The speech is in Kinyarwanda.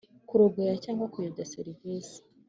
Kurogoya cyangwa kuyobya serivisi